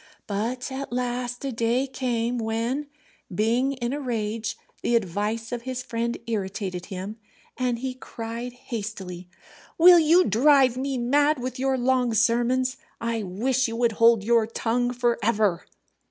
But at last a day came when, being in a rage, the advice of his friend irritated him, and he cried hastily, "Will you drive me mad with your long sermons? I wish you would hold your tongue for ever."